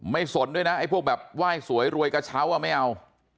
สนด้วยนะไอ้พวกแบบไหว้สวยรวยกระเช้าไม่เอา